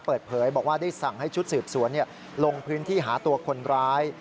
เปิดเผยบอกว่าได้สั่งให้ชุดสืบสวนลงพื้นที่หาตัวคนร้าย